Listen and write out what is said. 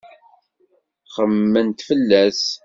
Xemmement fell-as.